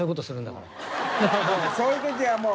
そういう時はもう。